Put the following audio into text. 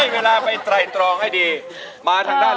เวลาไปไตลองให้ดีมาทางด้านหลัง